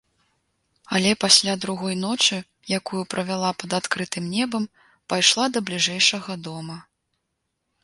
Але пасля другой ночы, якую правяла пад адкрытым небам, пайшла да бліжэйшага дома.